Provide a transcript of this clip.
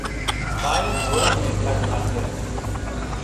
ٻائِي ڍوران نين کڙ ناکيَ سي۔